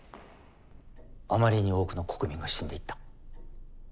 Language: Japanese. あまりに多くの国民が死んでいった。